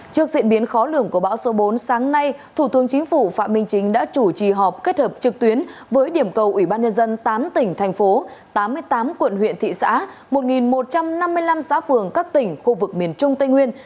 trước diễn biến khó lường của bão số bốn sáng nay thủ tướng chính phủ phạm minh chính đã chủ trì họp kết hợp trực tuyến với điểm cầu ủy ban nhân dân tám tỉnh thành phố tám mươi tám quận huyện thị xã một một trăm năm mươi năm xã phường các tỉnh khu vực miền trung tây nguyên